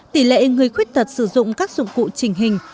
tỷ lệ người khuyết tật sử dụng các dụng cụ trình hình